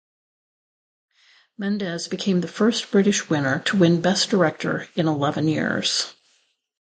Mendes became the first British winner to win Best Director in eleven years.